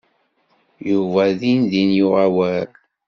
Yuba dindin yuɣ awal.